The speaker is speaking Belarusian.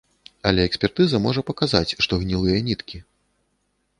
Але экспертыза можа паказаць, што гнілыя ніткі.